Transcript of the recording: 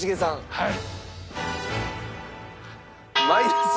はい。